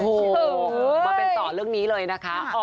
โอ้โหมาเป็นต่อเรื่องนี้เลยนะคะ